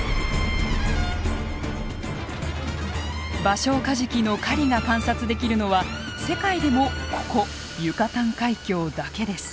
バショウカジキの狩りが観察できるのは世界でもここユカタン海峡だけです。